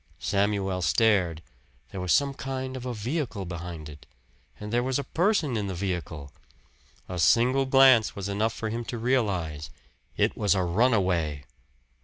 Samuel stared; there was some kind of a vehicle behind it, and there was a person in the vehicle. A single glance was enough for him to realize it was a runaway!